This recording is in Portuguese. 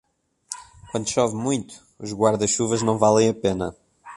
Quando chove muito, os guarda-chuvas não valem a pena.